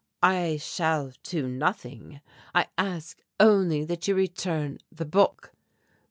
"I shall do nothing. I ask only that you return the book."